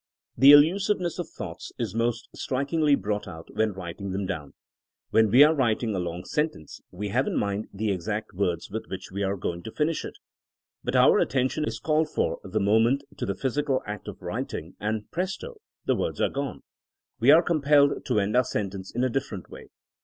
The elusiveness of thoughts is most strikingly brought out when writing them down. When we are writing a long sentence we have in mind the exact words with which we are going to finish it. But our attention is called for the moment to the physical act of writing, and pres to! — ^the words are gone; we are compelled to 194 THINKINa AS A SCIENCE end our sentence in a different way.